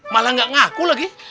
malah gak ngaku lagi